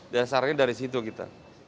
dasarnya dari situ kita